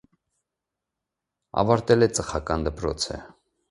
Ավարտել է ծխական դպրոցը։